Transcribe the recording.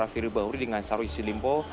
firly bahuri dengan syahrul yassin limpo